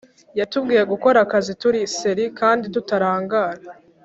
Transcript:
yatubwiye gukora akazi turi serie kandi tutarangara